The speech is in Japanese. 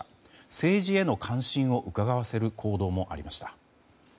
政治への関心をうかがわせる行動もありました。